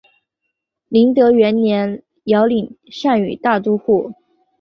麟德元年遥领单于大都护。